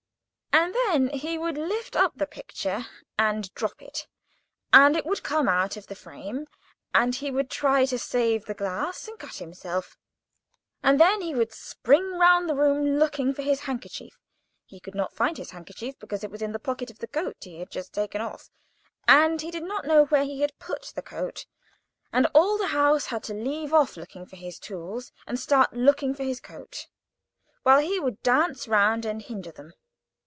And then he would lift up the picture, and drop it, and it would come out of the frame, and he would try to save the glass, and cut himself; and then he would spring round the room, looking for his handkerchief. He could not find his handkerchief, because it was in the pocket of the coat he had taken off, and he did not know where he had put the coat, and all the house had to leave off looking for his tools, and start looking for his coat; while he would dance round and hinder them.